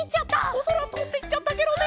おそらとんでいっちゃったケロね。